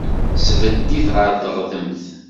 Tesbedd-it ɣer teɣdemt.